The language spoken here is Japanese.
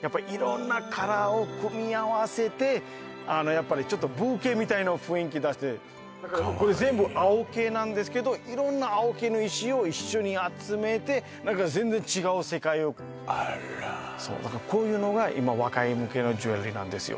やっぱり色んなカラーを組み合わせてあのやっぱりちょっとブーケみたいな雰囲気出してかわいいこれ全部青系なんですけど色んな青系の石を一緒に集めて何か全然違う世界をあらっそうだからこういうのが今若い向けのジュエリーなんですよ